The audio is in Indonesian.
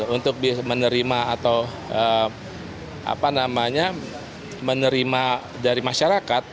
untuk menerima atau apa namanya menerima dari masyarakat